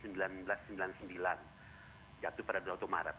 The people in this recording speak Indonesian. yaitu pada bulan maret